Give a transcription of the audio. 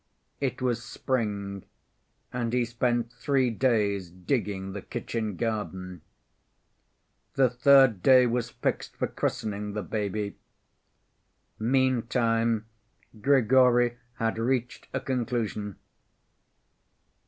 It was spring, and he spent three days digging the kitchen garden. The third day was fixed for christening the baby: mean‐time Grigory had reached a conclusion.